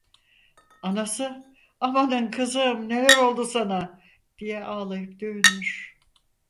Anası: "Amanın kızım, neler oldu sana?" diye ağlayıp dövünmüş.